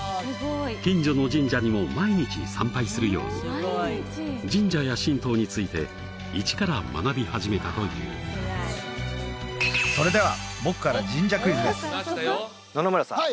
近所の神社にも毎日参拝するように神社や神道について一から学び始めたというそれでは僕から神社クイズです野々村さん